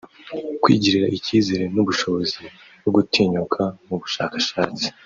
kwigirira ikizere n’ ubushobozi bwo gutinyuka mu bushakashatsi